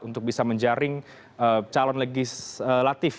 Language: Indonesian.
untuk bisa menjaring calon legislatif